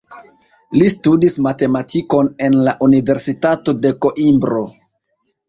Li studis matematikon en la Universitato de Koimbro.